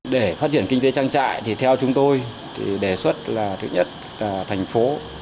để phát triển kinh tế trang trại thì theo chúng tôi thì đề xuất là thứ nhất là thành phố